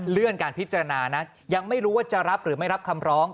การพิจารณานะยังไม่รู้ว่าจะรับหรือไม่รับคำร้อง